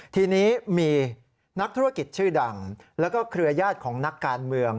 ทีนี้มีนักธุรกิจชื่อดังแล้วก็เครือญาติของนักการเมือง